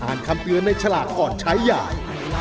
คำเตือนในฉลากก่อนใช้ใหญ่